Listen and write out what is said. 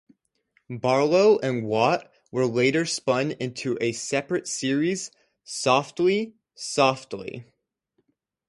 Barlow and Watt were later spun into a separate series "Softly, Softly".